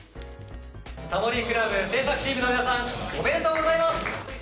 「タモリ倶楽部」制作チームの皆さんおめでとうございます！